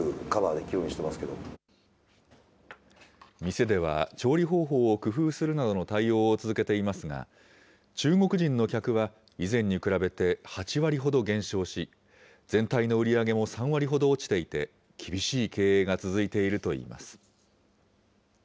店では、調理方法を工夫するなどの対応を続けていますが、中国人の客は以前に比べて８割ほど減少し、全体の売り上げも３割ほど落ちていて、厳しい経営が続いているといいます。